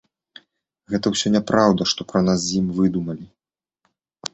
Гэта ўсё няпраўда, што пра нас з ім выдумалі.